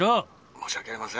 「申し訳ありません。